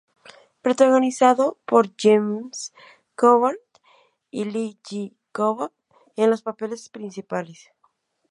Protagonizado por James Coburn y Lee J. Cobb en los papeles principales.